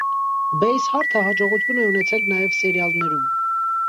Բեյսհարթը հաջողություն է ունեցել նաև սերիալներում։